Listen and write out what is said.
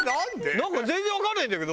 なんか全然わかんないんだけど。